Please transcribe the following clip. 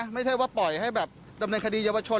ไม่ใช่ว่าปล่อยให้แบบดำเนินคดีเยาวชน